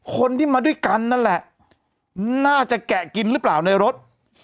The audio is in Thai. คนที่มาด้วยกันนั่นแหละน่าจะแกะกินหรือเปล่าในรถ